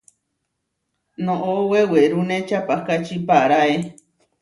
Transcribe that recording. Noʼó wewerúne čapahkáči paaráe.